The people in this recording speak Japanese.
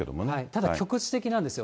ただ、局地的なんですよ。